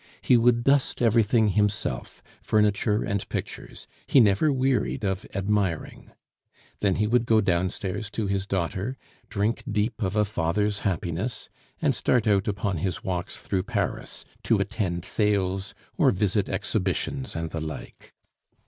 He would dust everything himself, furniture and pictures; he never wearied of admiring. Then he would go downstairs to his daughter, drink deep of a father's happiness, and start out upon his walks through Paris, to attend sales or visit exhibitions and the like.